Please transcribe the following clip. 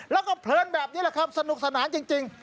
แล้วก็เพลินแบบนี้แหละครับสนุกสนานจริง